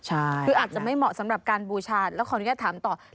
คืออาจจะไม่เหมาะสำหรับการบูชาแล้วขออนุญาตถามต่อ